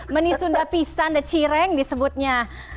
meni sunda pisan dan cireng disebutnya